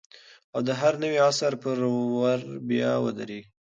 او د هر نوي عصر پر ور بیا ودرېږي